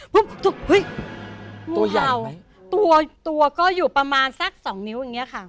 เฮ้ยตัวยาวตัวก็อยู่ประมาณสักสองนิ้วอย่างนี้ค่ะ